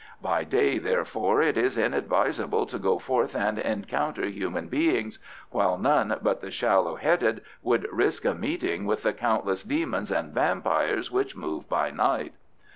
By day, therefore, it is inadvisable to go forth and encounter human beings, while none but the shallow headed would risk a meeting with the countless demons and vampires which move by night.